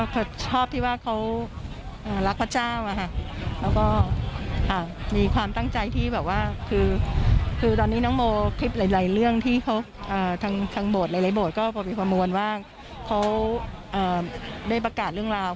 ก็พอมีความมวลว่าเค้าได้ประกาศเรื่องราว